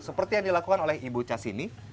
seperti yang dilakukan oleh ibu cas ini